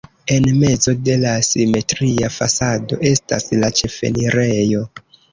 En mezo de la simetria fasado estas la ĉefenirejo.